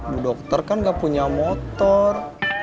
bu dokter kan gak punya motor